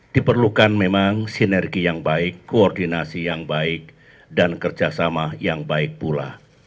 diperlukan memang sinergi yang baik koordinasi yang baik dan kerjasama yang baik pula